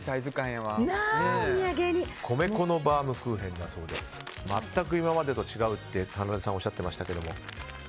米粉のバウムクーヘンだそうで全く今までと違うとおっしゃってましたけど。